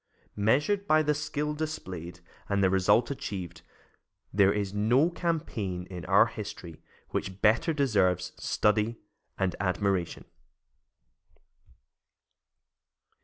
Measured by the skill displayed and the result achieved, there is no campaign in our history which better deserves study and admiration.